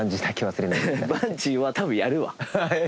バンジーはたぶんやるわ。